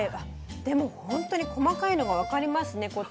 でも本当に細かいのが分かりますね